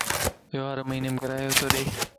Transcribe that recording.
يوھر مھينيم ڪرايو تو ڏي